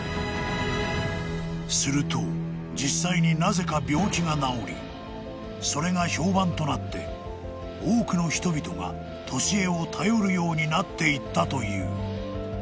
［すると実際になぜか病気が治りそれが評判となって多くの人々が年恵を頼るようになっていったという］